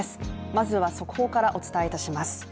まずは速報からお伝えいたします。